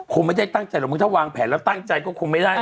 คงไม่ได้ตั้งใจหรอกมึงถ้าวางแผนแล้วตั้งใจก็คงไม่ได้